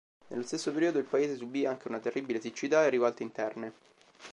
Nello stesso periodo il paese subì anche una terribile siccità e rivolte interne.